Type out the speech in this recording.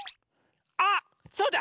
あそうだ！